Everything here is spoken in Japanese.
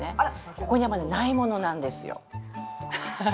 ここにはまだないものなんですよ